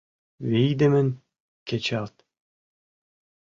Вийдымын кечалт